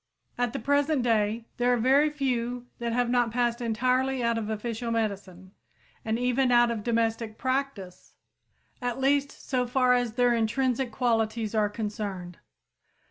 At the present day there are very few that have not passed entirely out of official medicine and even out of domestic practice, at least so far as their intrinsic qualities are concerned.